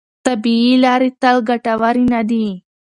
طبیعي لارې تل ګټورې نه دي.